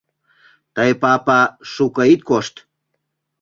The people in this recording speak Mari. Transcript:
Тый, папа, шуко ит кошт.